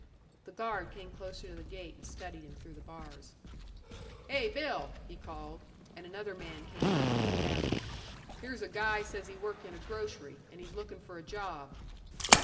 The guard came closer to the gate and studied him through the bars. "Hey, Bill!" he called, and another man came out from the cabin. "Here's a guy says he worked in a grocery, and he's lookin' for a job."